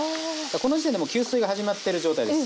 この時点でもう吸水が始まってる状態です。